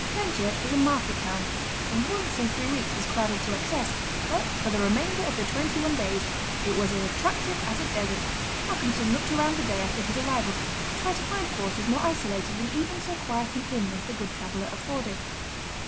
Benchurch was a market town, and once in three weeks was crowded to excess, but for the remainder of the twenty one days it was as attractive as a desert. Malcolmson looked around the day after his arrival to try to find quarters more isolated than even so quiet an inn as "The Good Traveller" afforded.